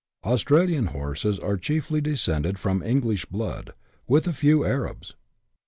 Australian horses are chiefly descended from English blood, with a few Arabs.